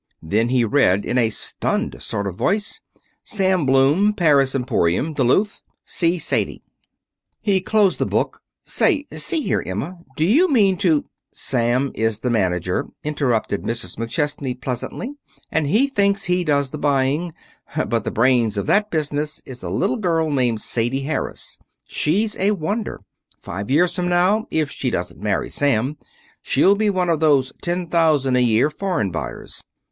Then he read in a stunned sort of voice: "Sam Bloom, Paris Emporium, Duluth. See Sadie." He closed the book. "Say, see here, Emma, do you mean to " "Sam is the manager," interrupted Mrs. McChesney pleasantly, "and he thinks he does the buying, but the brains of that business is a little girl named Sadie Harris. She's a wonder. Five years from now, if she doesn't marry Sam, she'll be one of those ten thousand a year foreign buyers.